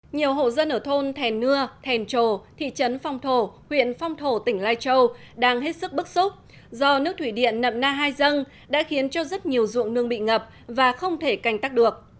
nhiều hộ dân ở thôn thèn nưa thèn trồ thị trấn phong thổ huyện phong thổ tỉnh lai châu đang hết sức bức xúc do nước thủy điện nậm na hai dân đã khiến cho rất nhiều ruộng nương bị ngập và không thể canh tắc được